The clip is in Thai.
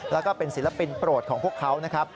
แล้วก็เป็นศิลปินโปรดของพวกเขานะครับ